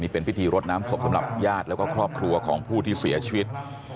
เป็นพิธีรดน้ำศพสำหรับญาติแล้วก็ครอบครัวของผู้ที่เสียชีวิต